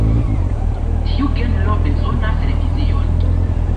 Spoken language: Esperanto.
Tiu genro bezonas revizion.